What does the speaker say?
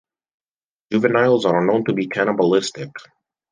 Juveniles are known to be cannibalistic.